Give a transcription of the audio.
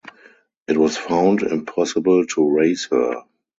It was found impossible to raise her.